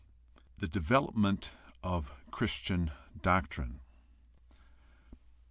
THE DEVELOPMENT OF CHRISTIAN DOCTRINE I.